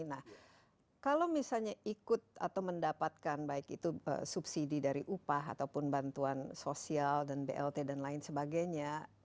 nah kalau misalnya ikut atau mendapatkan baik itu subsidi dari upah ataupun bantuan sosial dan blt dan lain sebagainya